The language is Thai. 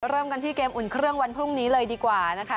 เริ่มกันที่เกมอุ่นเครื่องวันพรุ่งนี้เลยดีกว่านะคะ